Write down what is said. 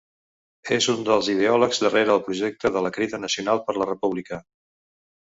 És un dels ideòlegs darrere el projecte de la Crida Nacional per la República.